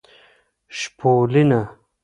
شپولینه